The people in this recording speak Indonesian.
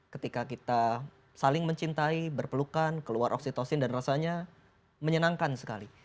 ketika kita saling mencintai berpelukan keluar oksitosin dan rasanya menyenangkan sekali